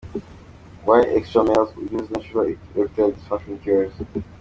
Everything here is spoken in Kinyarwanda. Why Extra Males Use Natural Erectile Dysfunction Cures.